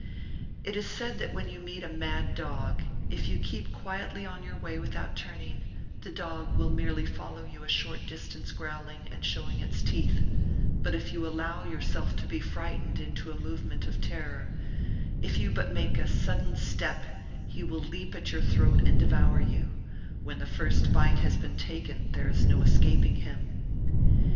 It is said that when you meet a mad dog if you keep quietly on your way without turning, the dog will merely follow you a short distance growling and showing his teeth; but if you allow yourself to be frightened into a movement of terror, if you but make a sudden step, he will leap at your throat and devour you; when the first bite has been taken there is no escaping him.